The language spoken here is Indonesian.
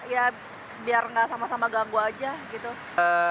ya biar nggak sama sama ganggu aja gitu